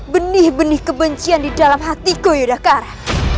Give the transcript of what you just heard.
benih benih kebencian di dalam hatiku yudhikara